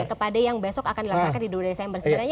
kepada yang besok akan dilaksanakan di dua desember sebenarnya